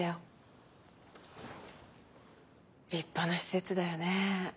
立派な施設だよね。